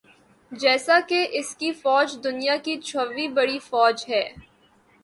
جیسا کہ اس کی فوج دنیا کی چھویں بڑی فوج ہے